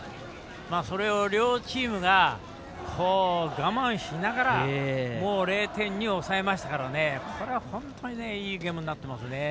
それを両チームが我慢しながら０点に抑えましたから本当にいいゲームになってますね。